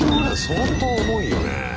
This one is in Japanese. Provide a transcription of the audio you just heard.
相当重いよね。